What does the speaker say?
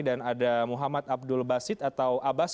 dan ada muhammad abdul bassit atau abas